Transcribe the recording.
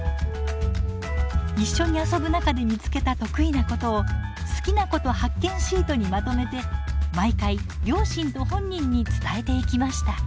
一緒に遊ぶ中で見つけた得意なことを「好きなこと発見シート」にまとめて毎回両親と本人に伝えていきました。